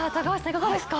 いかがですか？